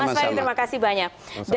mas fadli terima kasih banyak